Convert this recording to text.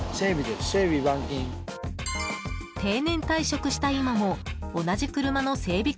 定年退職した今も同じ車の整備